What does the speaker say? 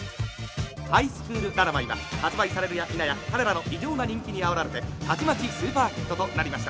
『ハイスクールララバイ』は発売されるや否や彼らの異常な人気にあおられてたちまちスーパーヒットとなりました。